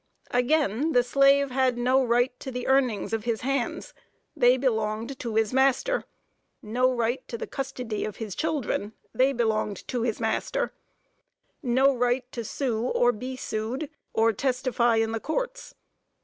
Again, the slave had no right to the earnings of his hands, they belonged to his master; no right to the custody of his children, they belonged to his master; no right to sue or be sued, or testify in the courts.